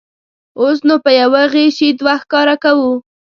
اوس نو په یوه غیشي دوه ښکاره کوو.